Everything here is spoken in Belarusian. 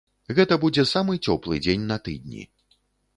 Гэта будзе самы цёплы дзень на тыдні.